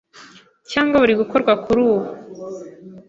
cyangwa buri gukorwa kurubu